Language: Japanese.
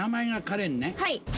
はい。